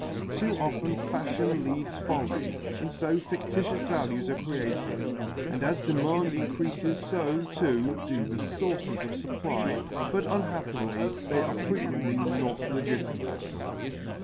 Too often fashion leads folly, and so fictitious values are created, and as demand increases so, too, do the sources of supply, but unhappily they are frequently not legitimate.